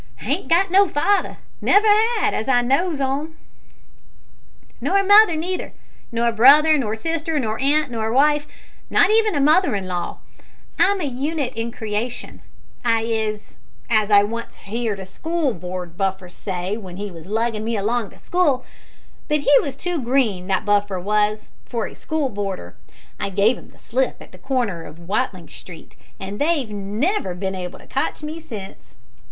"Hain't got no father never 'ad, as I knows on, nor mother neither, nor brother, nor sister, nor aunt, nor wife not even a mother in law. I'm a unit in creation, I is as I once heerd a school board buffer say w'en he was luggin' me along to school; but he was too green, that buffer was, for a school boarder. I gave 'im the slip at the corner of Watling Street, an' they've never bin able to cotch me since."